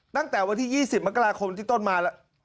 ตั้งแต่วันที่๒๐มกราคมที่ต้นมาแล้ว